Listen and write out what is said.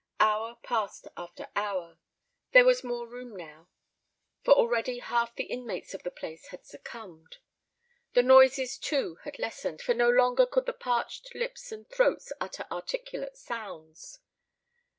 Hour passed after hour. There was more room now, for already half the inmates of the place had succumbed. The noises, too, had lessened, for no longer could the parched lips and throats utter articulate sounds.